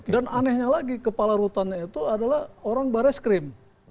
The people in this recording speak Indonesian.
dan anehnya lagi kepala rutannya itu adalah orang barres krim